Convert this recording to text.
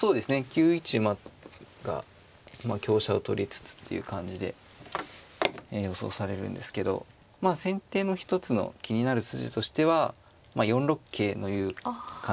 ９一馬が香車を取りつつっていう感じで予想されるんですけど先手の一つの気になる筋としては４六桂という感じですかね。